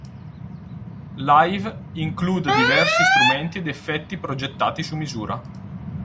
Live include diversi strumenti ed effetti progettati su misura.